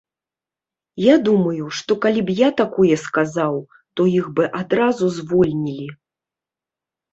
Я думаю, што калі б я такое сказаў, то іх бы адразу звольнілі.